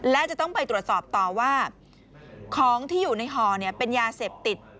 และจะต้องไปตรวจสอบต่อว่าของที่อยู่ในห่อเป็นยาเสพติด